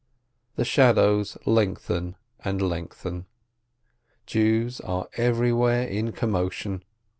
The shadows lengthen and lengthen. Jews are everywhere in commotion.